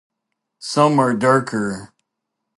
Some are darker.